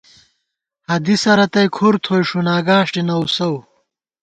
حدیثہ رتئی کُھر تھوئی ݭُنا گاݭٹےنہ وُسَؤ